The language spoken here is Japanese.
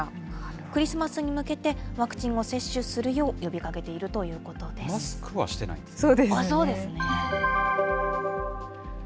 クリスマスに向けてワクチンを接種するよう、呼びかけているといマスクはしてないんですね。